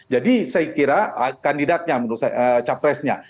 jadi saya kira kandidatnya menurut saya capresnya